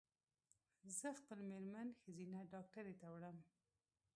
زه خپل مېرمن ښځېنه ډاکټري ته وړم